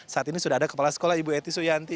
saat ini sudah ada kepala sekolah ibu eti suyanti